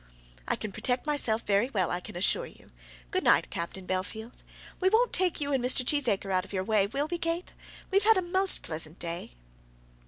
"I can protect myself very well, I can assure you. Good night, Captain Bellfield. We won't take you and Mr. Cheesacre out of your way; will we, Kate? We have had a most pleasant day."